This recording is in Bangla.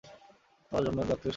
তার জন্ম যুক্তরাজ্যের লন্ডনে।